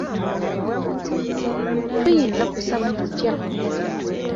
Tuyinza kusaba tutya?